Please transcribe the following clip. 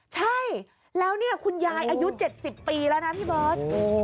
ใช่แล้วเนี่ยคุณยายอายุ๗๐ปีแล้วนะพี่เบิร์ต